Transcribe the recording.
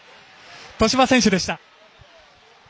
戸嶋選手でした。